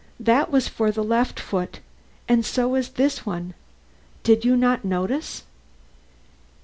That was for the left foot and so is this one. Did you not notice?"